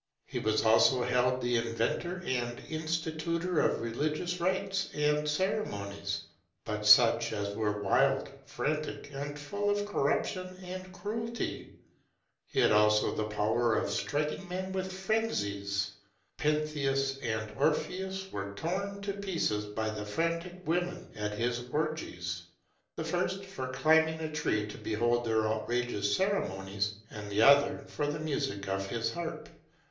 He was also held the inventor and institutor of religious rites and ceremonies, but such as were wild, frantic, and full of corruption and cruelty. He had also the power of striking men with frenzies. Pentheus and Orpheus were torn to pieces by the frantic women at his orgies; the first for climbing a tree to behold their outrageous ceremonies, and the other for the music of his harp.